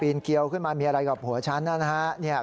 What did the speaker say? เธอปีนเกียวขึ้นมามีอะไรกับผัวฉันนะ